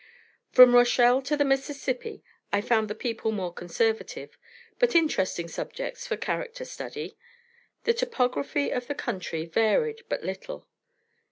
_ From Rochelle to the Mississippi I found the people more conservative, but interesting subjects for character study. The topography of the country varied but little.